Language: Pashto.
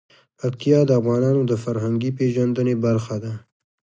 پکتیا د افغانانو د فرهنګي پیژندنې برخه ده.